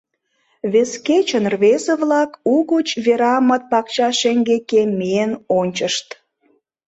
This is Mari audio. Вес кечын рвезе-влак угыч Верамыт пакча шеҥгеке миен ончышт.